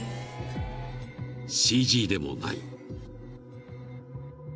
［ＣＧでもない］